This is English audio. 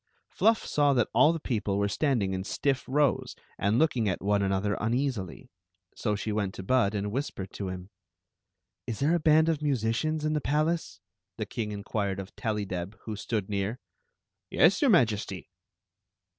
Fluff saw that all the people were standing in stiff rows and looking at one another uneasily, so she went • to Bud and whispered to him. " Is there a band of musicians in the palace?" the king inquired of Tellydeb, who stood near. "Yes, your Majesty."